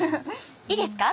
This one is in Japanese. いいですか？